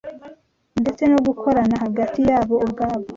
ndetse no gukorana hagati yabo ubwabo